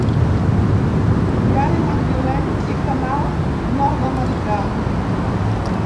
Diari madrileny i canal nord-americà.